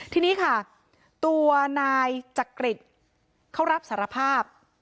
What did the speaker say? ทีนี้ค่ะตัวนายจักริตเขารับสารภาพ